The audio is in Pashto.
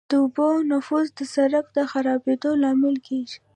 د اوبو نفوذ د سرک د خرابېدو لامل کیږي